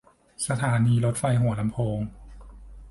สถานีรถไฟหัวลำโพง